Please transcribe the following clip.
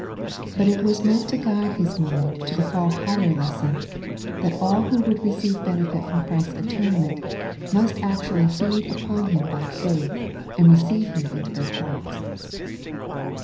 But it was meant to guide his mind to the far higher lesson, that all who would receive benefit from Christ's atonement, must actually feed upon Him by faith, and receive Him into their hearts.